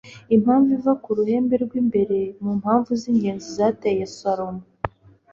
impamvu iza ku ruhembe rw'imbere mu mpamvu z'ingenzi zateye salomo